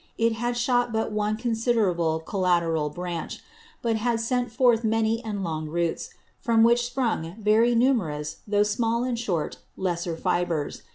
It had shot but one considerable collateral Branch; but had sent forth many and long Roots, from which sprung very numerous, though small and short, lesser Fibres.